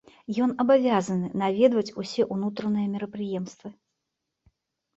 Ён абавязаны наведваць усе ўнутраныя мерапрыемствы.